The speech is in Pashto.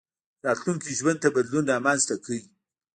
راتلونکي ژوند ته بدلون رامنځته کړئ.